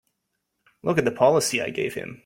Look at the policy I gave him!